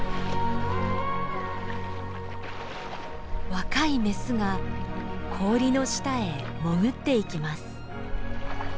若いメスが氷の下へ潜っていきます。